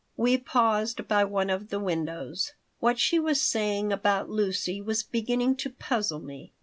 We paused by one of the windows. What she was saying about Lucy was beginning to puzzle me.